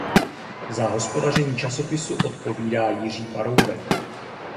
Za hospodaření časopisu odpovídá Jiří Paroubek.